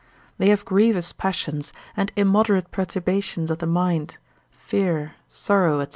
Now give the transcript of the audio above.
They have grievous passions, and immoderate perturbations of the mind, fear, sorrow, &c.